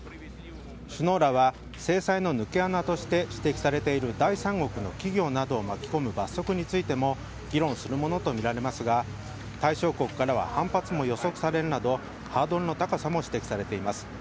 首脳らは制裁の抜け穴として指摘されている第三国の企業などを巻き込む罰則についても議論するものとみられますが対象国からは反発も予測されるなどハードルの高さも指摘されています。